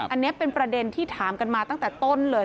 อันนี้เป็นประเด็นที่ถามกันมาตั้งแต่ต้นเลย